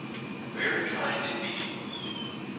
Very kind indeed.